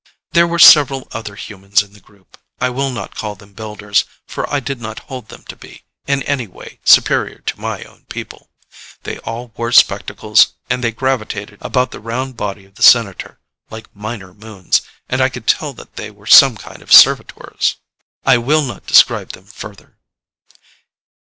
There were several other humans in the group I will not call them Builders, for I did not hold them to be, in any way, superior to my own people. They all wore spectacles, and they gravitated about the round body of the Senator like minor moons, and I could tell that they were some kind of servitors. I will not describe them further.